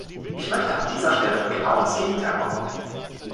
Ich möchte an dieser Stelle genau das Gegenteil behaupten.